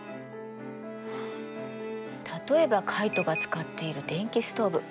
例えばカイトが使っている電気ストーブ。